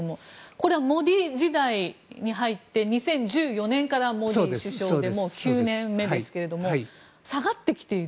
これはモディ時代に入って２０１４年からモディ首相で９年目ですけれども下がってきている。